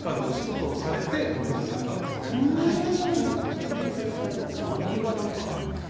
独立されたのは理由は何かあるんですか？